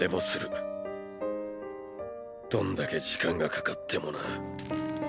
どんだけ時間がかかってもな。